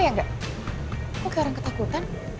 dia seperti orang yang tertakut